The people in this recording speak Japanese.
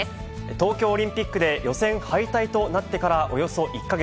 東京オリンピックで予選敗退となってからおよそ１か月。